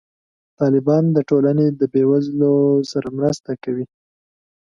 طالبان د ټولنې د بې وزلو سره مرسته کوي.